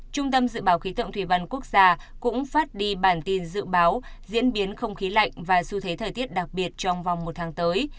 trung tâm dự báo khí tượng thủy văn quốc gia cũng phát đi bản tin dự báo diễn biến không khí lạnh và xu thế thời tiết đặc biệt trong vòng một tháng tới